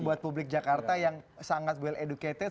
buat publik jakarta yang sangat well educated